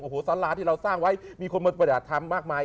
โอ้โหสาราที่เราสร้างไว้มีคนมาปฏิบัติธรรมมากมาย